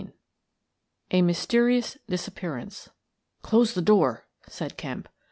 A MYSTERIOUS DISAPPEARANCE " Close the door," said Kemp.